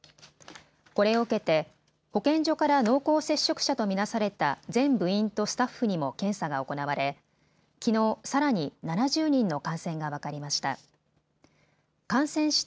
これを受けて保健所から濃厚接触者と見なされた全部員とスタッフにも検査が行われきのう、さらに７０人の感染が分かりました。